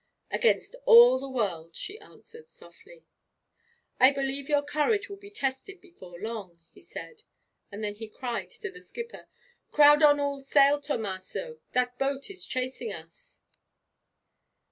'Against all the world,' she answered, softly. 'I believe your courage will be tested before long,' he said; and then he cried to the skipper, 'Crowd on all sail, Tomaso. That boat is chasing us.'